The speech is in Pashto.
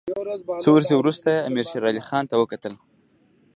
څو ورځې وروسته یې امیر شېر علي خان ته ولیکل.